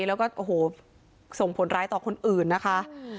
แล้วก็โอ้โหส่งผลร้ายต่อคนอื่นนะคะ